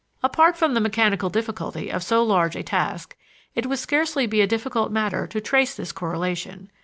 Apart from the mechanical difficulty of so large a task, it would scarcely be a difficult matter to trace this correlation.